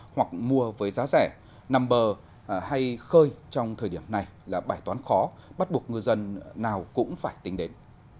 hoặc mua với giá rẻ nằm bờ hay khơi trong thời điểm này là bài toán khó bắt buộc ngư dân nào cũng phải tính đến